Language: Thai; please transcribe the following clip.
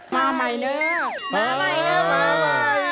มาใหม่เนอะมาใหม่